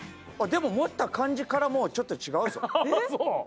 でも持った感じからもうちょっと違うっすよ。